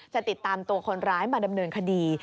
จะติดตามตัวคนร้ายมาดำเนินคดี